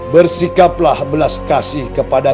bersikaplah belas kasih kepada